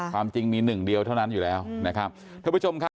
ความจริงมี๑เดียวเท่านั้นอยู่แล้วนะครับ